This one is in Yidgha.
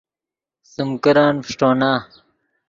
سیم کرن فݰٹونا